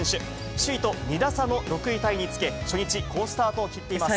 首位と２打差の６位タイにつけ、初日、好スタートを切っています。